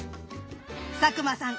佐久間さん